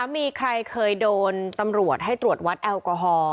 มีใครเคยโดนตำรวจให้ตรวจวัดแอลกอฮอล์